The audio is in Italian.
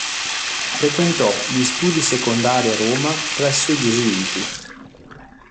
Frequentò gli studi secondari a Roma presso i Gesuiti.